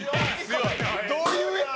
「どういう画？」